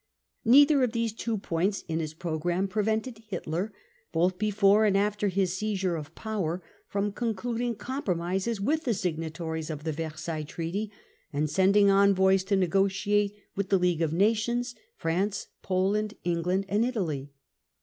Neither of these two points in his programme prevented Hitler, both before and after his seizure of po^er, from concluding compromises with the signatories of the Versailles Treaty, and sending envoys to negotiate with c * THE PATH TO POWER 15 the League of Nations, France, Poland, England and Italy.